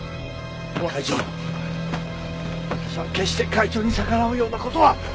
会長私は決して会長に逆らうような事は！